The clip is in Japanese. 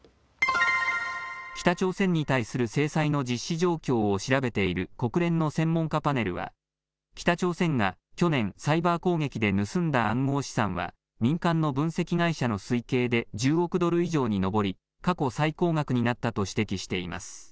北朝鮮に対する制裁の実施状況を調べている国連の専門家パネルは北朝鮮が去年、サイバー攻撃で盗んだ暗号資産は民間の分析会社の推計で１０億ドル以上に上り過去最高額になったと指摘しています。